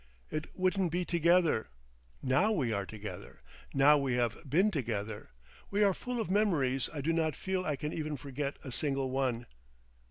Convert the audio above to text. "It wouldn't be together. Now we are together. Now we have been together. We are full of memories I do not feel I can ever forget a single one."